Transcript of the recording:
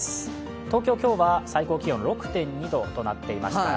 東京は最低気温６．２度となっていました。